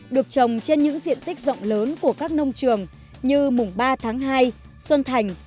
được trồng trên những diện tích rộng lớn của các nông trường như mùng ba tháng hai xuân thành